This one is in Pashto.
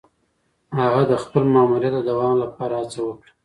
هغه د خپل ماموريت د دوام لپاره هڅه وکړه.